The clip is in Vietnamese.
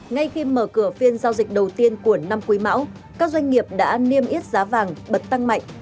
ngay khi mở cửa phiên giao dịch đầu tiên của năm quý mão các doanh nghiệp đã niêm yết giá vàng bật tăng mạnh